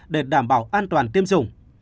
để đảm bảo an toàn tiêm chủng